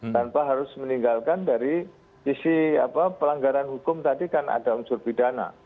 tanpa harus meninggalkan dari sisi pelanggaran hukum tadi kan ada unsur pidana